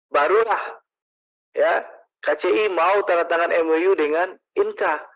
barulah kci mau tanda tangan mou dengan inka